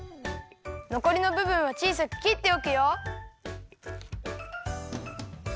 のこりのぶぶんはちいさくきっておくよ。